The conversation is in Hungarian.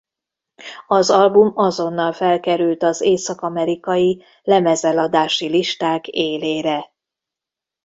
Az album azonnal felkerült az észak-amerikai lemezeladási listák élére.